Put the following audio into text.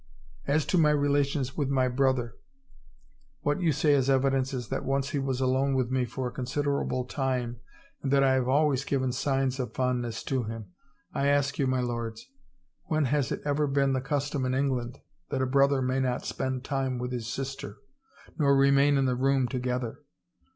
" As to my relations with my brother — what you say as evidence is that once he was alone with me for a considerable time and that I have always given signs of fondness to him. I ask you, my lords, when has it ever been the custom in England that a brother may not spend time with his sister, nor remain in the room to gether?